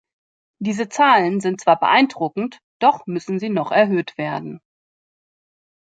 Diese Zahlen sind zwar beeindruckend, doch müssen sie noch erhöht werden.